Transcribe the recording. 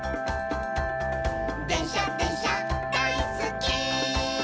「でんしゃでんしゃだいすっき」